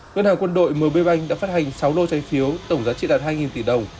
ngân hàng quân đội mb bank đã phát hành sáu lô trái phiếu tổng giá trị đạt hai tỷ đồng